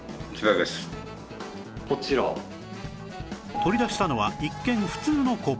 取り出したのは一見普通のコップ